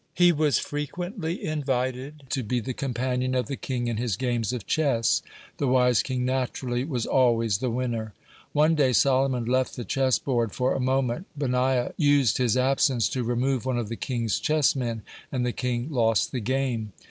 He was frequently invited to be the companion of the king in his games of chess. The wise king naturally was always the winner. One day Solomon left the chess board for a moment, Benaiah used his absence to remove one of the king's chess men, and the king lost the game.